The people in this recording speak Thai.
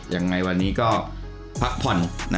ยังไงวันนี้ก็พักผ่อน